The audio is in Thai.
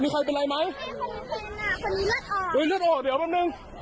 มีใครเป็นไรไหมคนนี้เลือดออกเดี๋ยวแป๊บนึง